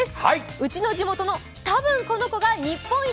「ウチの地元のたぶんこの子が日本一」